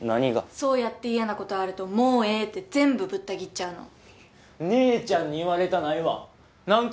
そうやって嫌なことあるともうええって全部ぶった切っちゃうの姉ちゃんに言われたないわ何回